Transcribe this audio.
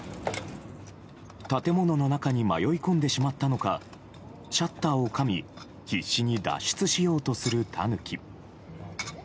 建物の中に迷い込んでしまったのかシャッターをかみ必死に脱出しようとするタヌキ。